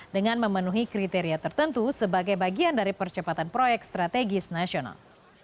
dengan memenuhi kriteria tertentu sebagai bagian dari percepatan proyek strategis nasional